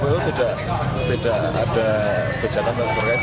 ini membuat kata kata kuran anaknya semakin tinggi